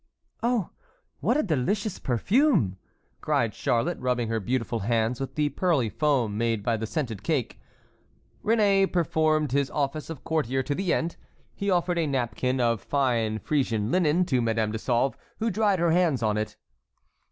"Oh, what a delicious perfume!" cried Charlotte, rubbing her beautiful hands with the pearly foam made by the scented cake. Réné performed his office of courtier to the end. He offered a napkin of fine Frisian linen to Madame de Sauve, who dried her hands on it.